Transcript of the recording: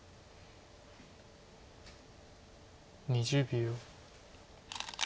２０秒。